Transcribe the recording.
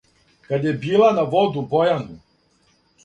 Кад је била на воду Бојану,